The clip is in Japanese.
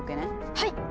はい！